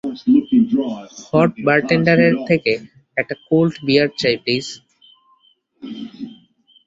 Hot বারটেন্ডারের থেকে একটা কোল্ড বিয়ার চাই, প্লিজ।